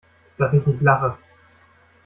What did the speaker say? Dass ich nicht lache!